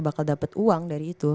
bakal dapat uang dari itu